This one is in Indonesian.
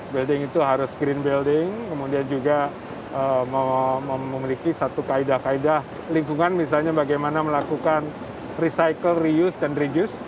building itu harus green building kemudian juga memiliki satu kaedah kaedah lingkungan misalnya bagaimana melakukan recycle reuse dan reduce